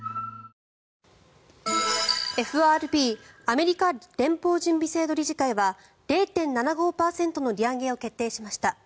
ＦＲＢ・アメリカ連邦準備制度理事会は０．７５％の利上げを決定しました。